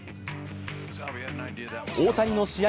大谷の試合